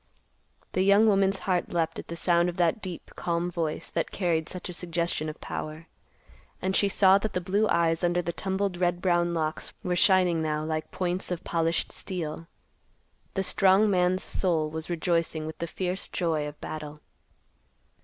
The young woman's heart leaped at the sound of that deep calm voice that carried such a suggestion of power. And she saw that the blue eyes under the tumbled red brown locks were shining now like points of polished steel. The strong man's soul was rejoicing with the fierce joy of battle.